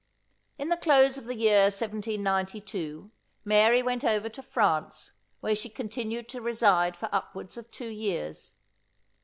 In the close of the year 1792, Mary went over to France, where she continued to reside for upwards of two years.